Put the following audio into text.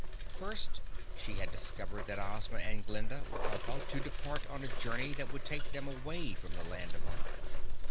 First, she had discovered that Ozma and Glinda were about to depart on a journey that would take them away from the Land of Oz.